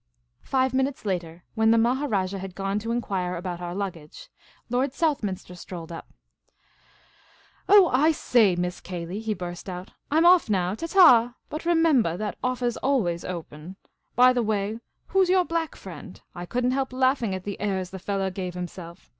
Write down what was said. Five minutes later, when the Maharajah had gone to en quire about our luggage, Lord Southminster strolled up. "who's your black friknd?" " Oh, I say. Miss Cay ley," he burst out, " I 'm off now ; ta ta ; but remembah, that offah 's always open. By the way, who 's your black friend ? I could n't help laughing at the airs the fellah gave himself.